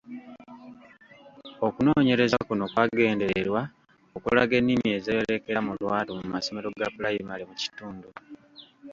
Okunoonyereza kuno kwagendererwa okulaga ennimi ezeeyolekera mu lwatu mu masomero ga pulayimale mu kitundu.